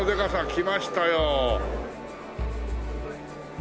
きましたよ。